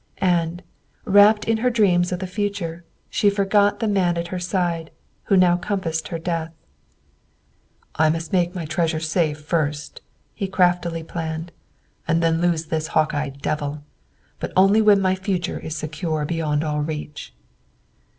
And, wrapped in her dreams of the future, she forgot the man at her side, who now compassed her death. "I must make my treasure safe first," he craftily planned, "and then lose this hawk eyed devil. But only when my future is secure beyond all reach!"